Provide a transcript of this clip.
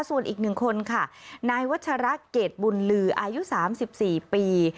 ส่วนอีก๑คนค่ะนายวัชระเกรดบุญลืออายุ๓๔ปี